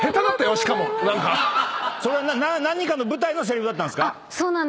それは何かの舞台のせりふだったんですか？